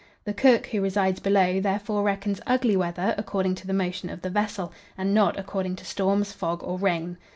The cook, who resides below, therefore reckons 'ugly weather' according to the motion of the vessel, and not according to storms, fog, or rain.